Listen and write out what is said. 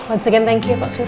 once again thank you ya pak uri